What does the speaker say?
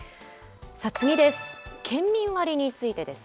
次です。